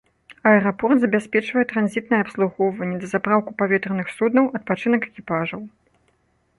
Аэрапорт забяспечвае транзітнае абслугоўванне, дазапраўку паветраных суднаў, адпачынак экіпажаў.